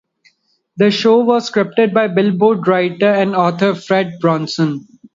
The show was scripted by Billboard writer and author Fred Bronson.